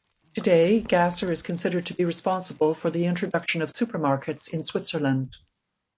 Today Gasser is considered to be responsible for the introduction of supermarkets in Switzerland.